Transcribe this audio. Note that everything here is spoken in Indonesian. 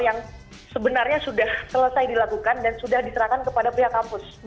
yang sebenarnya sudah selesai dilakukan dan sudah diserahkan kepada pihak kampus